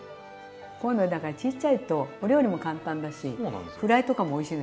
こういうのだからちっちゃいとお料理も簡単だしフライとかもおいしいのよだから。